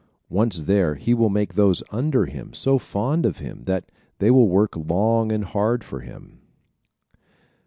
Once there he will make those under him so fond of him that they will work long and hard for him.